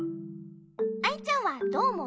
アイちゃんはどうおもう？